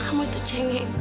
kamu itu cengeng